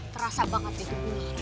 terasa banget itu